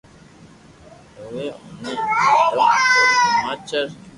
اووي اوني یڪدم اورو ھماچر